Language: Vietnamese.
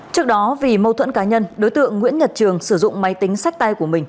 trước đó vì mâu thuẫn cá nhân đối tượng nguyễn nhật trường sử dụng máy tính sách tay của mình